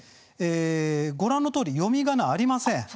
ご覧のとおり読みがなはありません。